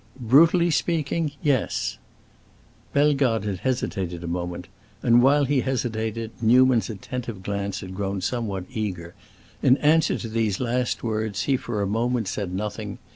"Brutally speaking—yes!" Bellegarde had hesitated a moment, and while he hesitated Newman's attentive glance had grown somewhat eager. In answer to these last words he for a moment said nothing.